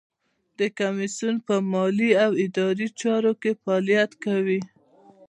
د کمیسیون په مالي او اداري چارو کې فعالیت کوي.